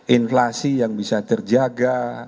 inflasi yang bisa terjaga